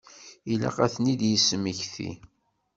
Ilaq ad tent-id-yesmekti.